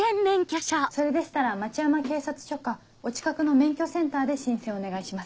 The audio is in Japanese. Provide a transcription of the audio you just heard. それでしたら町山警察署かお近くの免許センターで申請をお願いします。